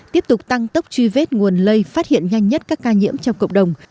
tiếp tục tăng tốc truy vết nguồn lây phát hiện nhanh nhất các ca nhiễm trong cộng đồng